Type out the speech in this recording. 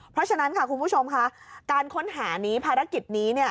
เพราะฉะนั้นค่ะคุณผู้ชมค่ะการค้นหานี้ภารกิจนี้เนี่ย